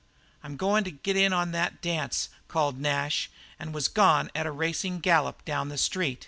"I'm going to get in on that dance," called Nash, and was gone at a racing gallop down the street.